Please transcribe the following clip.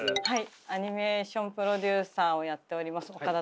アニメーションプロデューサーをやっております岡田と申します。